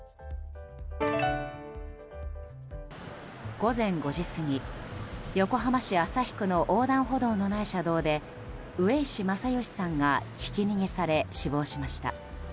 午前５時過ぎ、横浜市旭区の横断歩道のない車道で上石正義さんがひき逃げされ死亡しました。